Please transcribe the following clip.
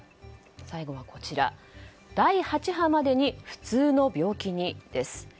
最後はこちら第８波までに普通の病気にです。